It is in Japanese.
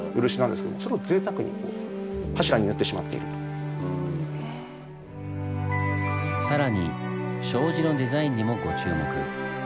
これ実は更に障子のデザインにもご注目。